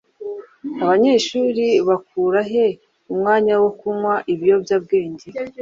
abanyeshuri bakura he umwanya wo kunywa ibiyobyabwenge?